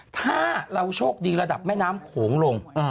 ถ้าช่วงดีระดับแม่น้ำขวงลง